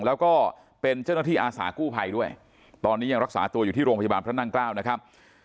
แล้วก็เป็นเจ้าหน้าที่อาสากู้ภัยด้วยตอนนี้ยังรักษาตัวอยู่ที่โรงพยาบาลพระนั่งเกล้านะครับ